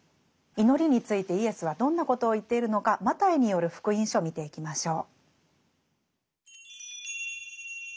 祈りについてイエスはどんなことを言っているのかマタイによる「福音書」見ていきましょう。